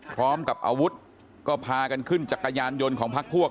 พร้อมกับอาวุธก็พากันขึ้นจักรยานยนต์ของพักพวก